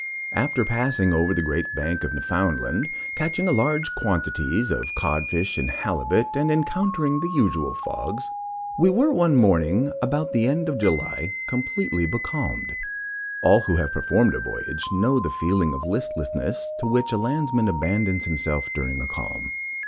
After passing over the great bank of Newfoundland, catching large quantities of codfish and halibut, and encountering the usual fogs, we were one morning, about the end of July, completely becalmed. All who have performed a voyage, know the feeling of listlessness to which a landsman abandons himself during a calm.